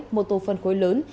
một tổ phân khối lớn